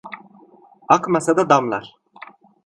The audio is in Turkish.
Akmasa da damlar.